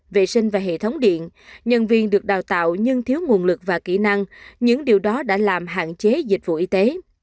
vệ sinh và hệ thống điện nhân viên được đào tạo nhưng thiếu nguồn lực và kỹ năng những điều đó đã làm hạn chế dịch vụ y tế